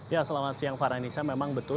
ya selama siang farhan nisa memang betul